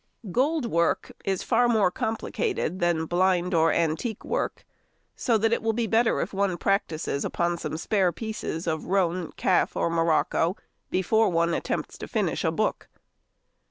Gold Work is far more complicated than blind or antique work, so that it will be better if one practises upon some spare pieces of roan, calf, or morocco before one attempts to finish a book.